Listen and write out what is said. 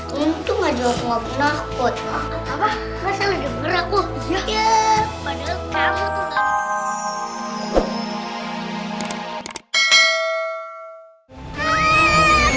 untung gak jauh jauh menakut